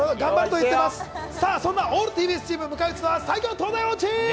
そんなオールＴＢＳチームを迎え撃つのは最強「東大王」チーム。